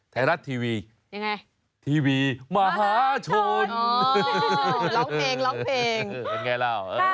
ไทยรัฐทีวียังไงทีวีมหาชนร้องเพลงร้องเพลงเป็นไงล่ะ